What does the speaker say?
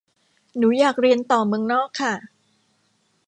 หนูอยากเรียนต่อเมืองนอกค่ะ